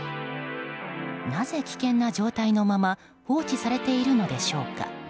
なぜ危険な状態のまま放置されているのでしょうか。